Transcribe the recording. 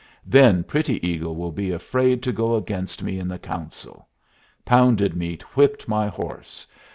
Then Pretty Eagle will be afraid to go against me in the council. Pounded Meat whipped my horse.